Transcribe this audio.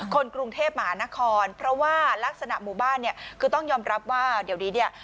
คนกรุงเทพมหานครเพราะว่ารักษณะหมู่บ้านเนี่ยคือต้องยอมรับว่าเดี๋ยวนี้เนี่ย